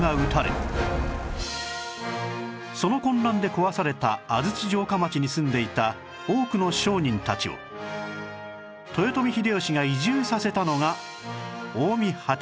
その混乱で壊された安土城下町に住んでいた多くの商人たちを豊臣秀吉が移住させたのが近江八幡